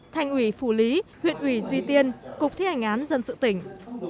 thành ủy phủ lý huyện ủy duy tiên cục thi hành án dân sự tỉnh